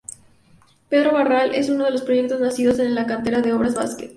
Pedro Barral es uno de los proyectos nacidos en la cantera de Obras Basket.